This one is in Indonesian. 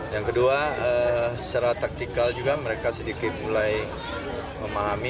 yang kedua secara taktikal juga mereka sedikit mulai memahami